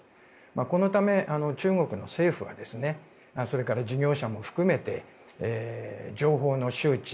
このため、中国の政府はそれから事業者も含めて情報の周知